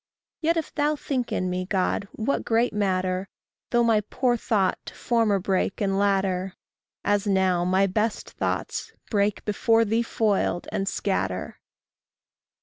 Yet if thou think in me, God, what great matter Though my poor thought to former break and latter As now my best thoughts; break, before thee foiled, and scatter!